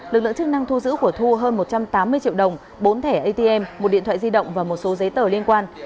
lực lượng chức năng thu giữ của thu hơn một trăm tám mươi triệu đồng bốn thẻ atm một điện thoại di động và một số giấy tờ liên quan